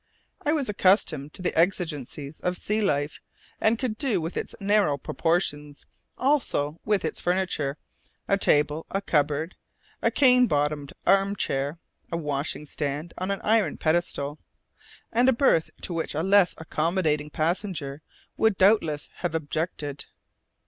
I was accustomed to the exigencies of sea life, and could do with its narrow proportions, also with its furniture a table, a cupboard, a cane bottomed arm chair, a washing stand on an iron pedestal, and a berth to which a less accommodating passenger would doubtless have objected.